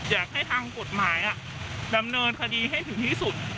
อยากให้ทางกฎหมายดำเนินคดีให้ถึงที่สุด